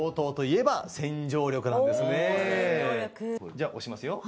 じゃあ押しますよ。